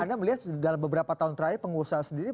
anda melihat dalam beberapa tahun terakhir pengusaha sendiri